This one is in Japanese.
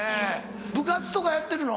部活とかやってるの？